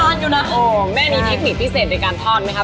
โอ้แม่มีเทคนิคพิเศษในการทอดไหมคะ